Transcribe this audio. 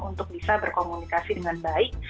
untuk bisa berkomunikasi dengan baik